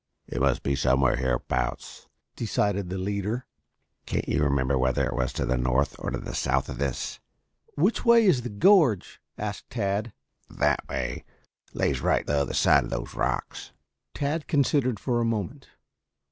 "It must be somewhere hereabouts," decided the leader. "Can't you remember whether it was to the north or the south of this?" "Which way is the gorge?" asked Tad. "That way. Lays right the other side of those rocks." Tad considered for a moment.